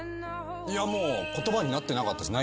いやもう言葉になってなかったです。